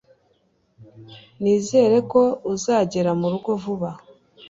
nizere ko uzagera murugo vuba